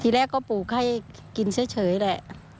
แรกก็ปลูกให้กินเฉยแหละ